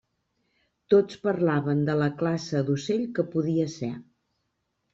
Tots parlaven de la classe d'ocell que podia ser.